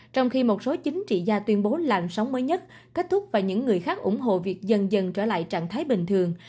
trong khi một số chính trị gia tuyên bố làn sóng mới nhất kết thúc và những người khác ủng hộ việc dần dần trở lại trạng thái bình thường